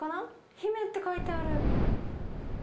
姫って書いてある。